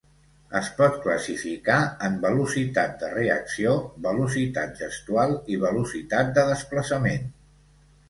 Es pot classificar en velocitat de reacció, velocitat gestual i velocitat de desplaçament.